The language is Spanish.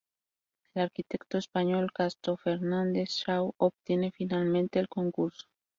El arquitecto español Casto Fernández-Shaw obtiene finalmente el concurso.